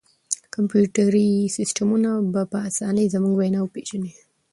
کمپیوټري سیسټمونه به په اسانۍ زموږ وینا وپېژني.